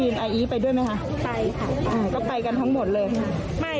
ไม่ไปกับคุณสาววัด